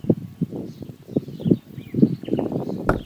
插电式混合动力车是一种混合动力车辆。